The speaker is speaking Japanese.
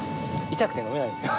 痛くて飲めないんですよ。